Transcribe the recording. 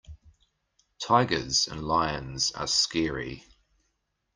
Tigers and lions are scary.